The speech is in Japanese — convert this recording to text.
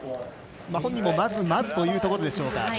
本人もまずまずというところでしょうか。